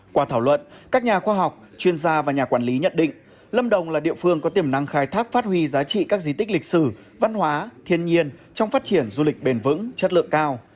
qua thảo luận các nhà khoa học chuyên gia và nhà quản lý nhận định lâm đồng là địa phương có tiềm năng khai thác phát huy giá trị các di tích lịch sử văn hóa thiên nhiên trong phát triển du lịch bền vững chất lượng cao